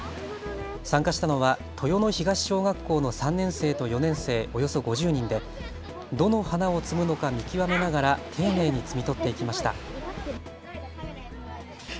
参加したのは豊野東小学校の３年生と４年生およそ５０人でどの花を摘むのか見極めながら丁寧に摘み取っていきました。